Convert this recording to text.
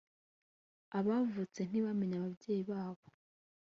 abavutse ntibamenye ababyeyi babo